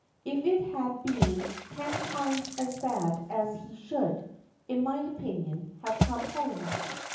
"If it had been ten times as bad he should, in my opinion, have come home."